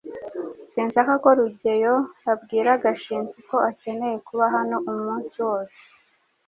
sinshaka ko rugeyo abwira gashinzi ko akeneye kuba hano umunsi wose